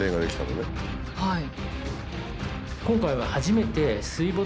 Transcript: はい。